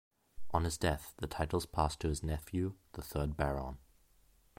On his death the titles passed to his nephew, the third Baron.